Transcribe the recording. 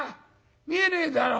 見えねえだろ？